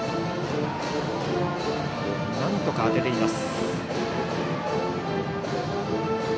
なんとか当てています。